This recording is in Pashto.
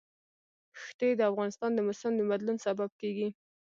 ښتې د افغانستان د موسم د بدلون سبب کېږي.